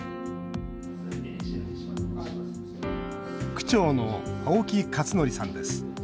区長の青木克徳さんです。